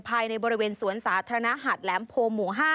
ภายในบริเวณสวนสาธารณะหัดแหลมโพหมู่๕